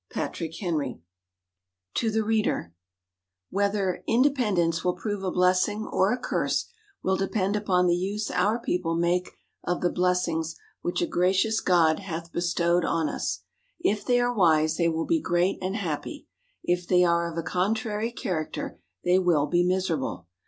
_ PATRICK HENRY TO THE READER _Whether (Independence) will prove a blessing or a curse will depend upon the use our People make of the blessings which a gracious God hath bestowed on us._ _If they are wise, they will be great and happy. If they are of a contrary character, they will be miserable.